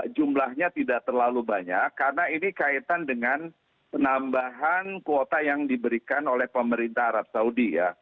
jumlahnya tidak terlalu banyak karena ini kaitan dengan penambahan kuota yang diberikan oleh pemerintah arab saudi ya